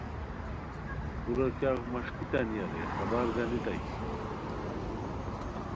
کورا کیاغ مݰکیتانیہ رے خبر گانیتائے